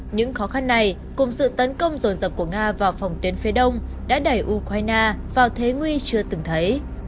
những khó khăn này cùng sự tấn công rồn rập của nga vào phòng tuyến phía đông đã đẩy ukraine vào thế nguy chưa từng thấy